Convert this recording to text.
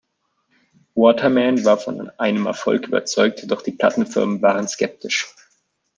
Waterman war von einem Erfolg überzeugt, doch die Plattenfirmen waren skeptisch.